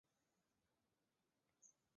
伊朗有四名跆拳道运动员获得奥运资格。